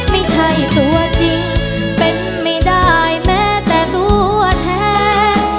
ไม่ใช่ตัวจริงเป็นไม่ได้แม้แต่ตัวแท้